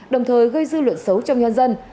đồng thời gây dư luận xấu trong nhân dân